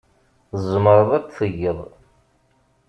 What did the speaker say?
Tzemreḍ ad t-tgeḍ.